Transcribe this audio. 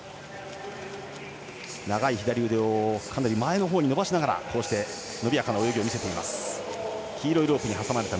長い左腕を前のほうに伸ばしながらこうして、伸びやかな泳ぎを見せています。